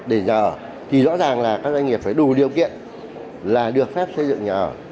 để nhà ở thì rõ ràng là các doanh nghiệp phải đủ điều kiện là được phép xây dựng nhà ở